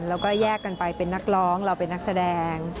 แล้วก็แยกกันไปเป็นนักร้องเราเป็นนักแสดง